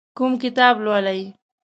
کوم کتاب لولئ؟